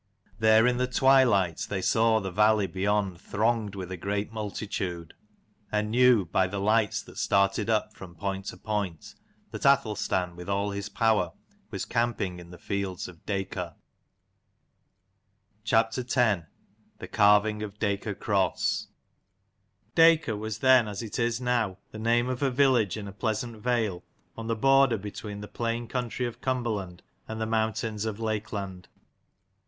There in the twilight they saw the valley beyond thronged with a great multitude, and knew, by the lights that started up from point to point, that Athelstan with all his power was camping in the fields of Dacor. ACOR was then, as it is now, CHAPTER X. the name of a village in a THE CARV pleasant vale, on the border ING OF between the plain country of DACOR Cumberland and the mountains CROSS. Lakeland.